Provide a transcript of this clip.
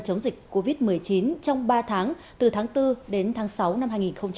chống dịch covid một mươi chín trong ba tháng từ tháng bốn đến tháng sáu năm hai nghìn hai mươi